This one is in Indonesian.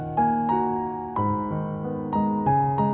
kita bisa bersama